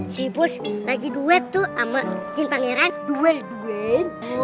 si pos lagi duet tuh ama cinta merah duel duel udah